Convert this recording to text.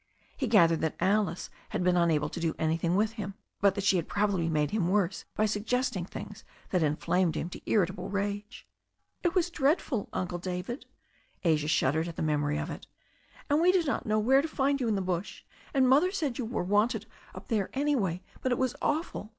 He gathered that Alice had been unable to do anything with him, but that she had probably made him worse by suggesting things that inflamed him to irritable rage. "It was dreadful, Uncle David." Asia shuddered at the memory of it. "And we did not know where to find you in the bush, and Mother said you were wanted up there anyway. But it was awful